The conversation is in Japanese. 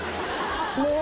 もう。